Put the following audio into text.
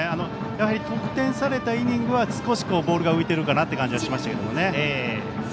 やはり得点されたイニングは少しボールが浮いている感じがしましたが。